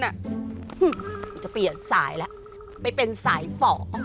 หนูจะเปลี่ยนสายแล้วไปเป็นสายฝ่อ